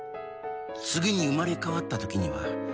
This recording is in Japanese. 「次に生まれ変わった時には」